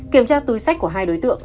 kiểm tra túi sách của hai đối tượng